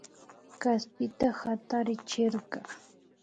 Kaspita hatarichirka